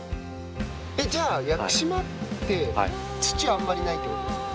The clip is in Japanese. じゃあ屋久島って土あんまりないってことですか？